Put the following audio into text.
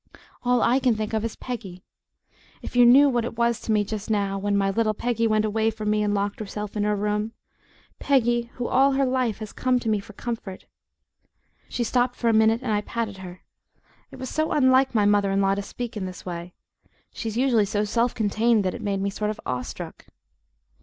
All I can think of is Peggy. If you knew what it was to me just now when my little Peggy went away from me and locked herself in her room Peggy, who all her life has always come to me for comfort " She stopped for a minute, and I patted her. It was so unlike my mother in law to speak in this way; she's usually so self contained that it made me sort of awestruck.